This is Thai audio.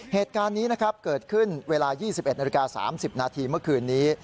เหตุการณ์นี้นะครับเกิดขึ้นเวลา๒๑นาฬิกา๓๐นาทีเมื่อคืนนี้